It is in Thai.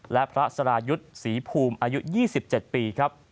และพระสรายุทธ์ศรีภูมิอายุ๒๗ปีครับ